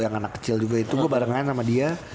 yang anak kecil juga itu gue barengan sama dia